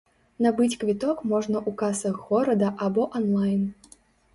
Набыць квіток можна ў касах горада або анлайн.